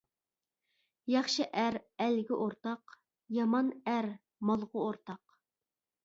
ياخشى ئەر ئەلگە ئورتاق، يامان ئەر مالغا ئورتاق.